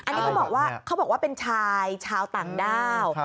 อันนี้เขาบอกว่าเป็นชายชาวต่างด้าว